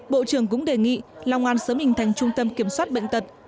bộ trưởng cũng đề nghị long an sớm hình thành trung tâm kiểm soát bệnh tật